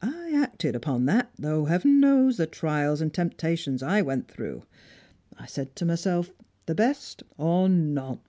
I acted upon that, though Heaven knows the trials and temptations I went through. I said to myself the best or none!